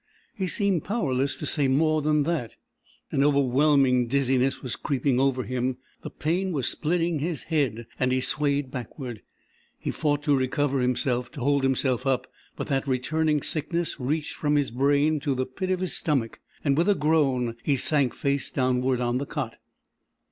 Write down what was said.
He seemed powerless to say more than that. An overwhelming dizziness was creeping over him, the pain was splitting his head, and he swayed backward. He fought to recover himself, to hold himself up, but that returning sickness reached from his brain to the pit of his stomach, and with a groan he sank face downward on the cot.